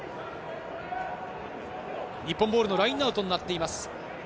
日本ボールのラインアウトになっています。